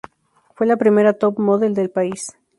Fue la primera top model del país.